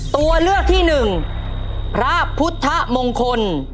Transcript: ตัวเลือกที่หนึ่งพระพุทธมงคล